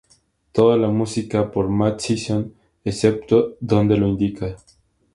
Toda la música por Mad Season, excepto donde lo indica.